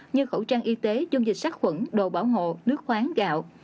như khẩu trang y tế dung dịch sát khuẩn đồ bảo hộ nước khoáng gạo